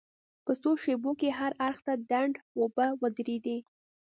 په څو شېبو کې هر اړخ ته ډنډ اوبه ودرېدې.